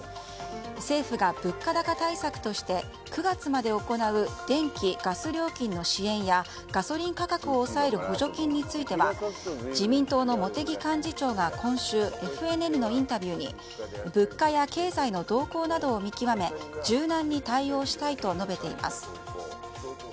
政府が物価高対策として９月まで行う電気・ガス料金の支援や、ガソリン価格を抑える補助金については自民党の茂木幹事長が今週ＦＮＮのインタビューに物価や経済の動向などを見極め柔軟に対応したいと述べています。